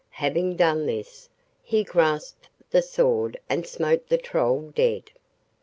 Having done this, he grasped the sword and smote the Troll dead.